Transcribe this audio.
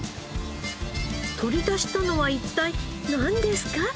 取り出したのは一体なんですか？